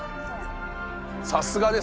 さすがです。